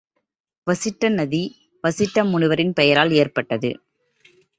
வசிட்ட நதி, வசிட்ட முனிவரின் பெயரால் ஏற்பட்டது.